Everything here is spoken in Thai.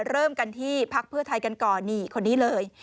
เริ่มกันที่พักเพื่อไทยกันก่อนนี่คนนี้เลย